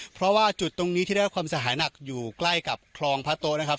เพราะว่าจุดตรงนี้ที่ได้รับความเสียหายหนักอยู่ใกล้กับคลองพระโต๊ะนะครับ